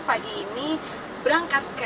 pagi ini berangkat ke